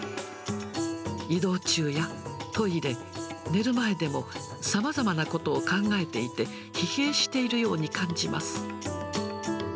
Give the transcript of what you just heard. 移動中やトイレ、寝る前でも、さまざまなことを考えていて、疲弊しているように感じます。